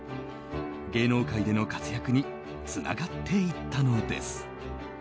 芸能界での活躍につながっていったのです。